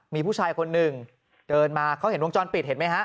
มีผู้ชายคนหนึ่งเดินมาเขาเห็นวงจรปิดเห็นไหมฮะ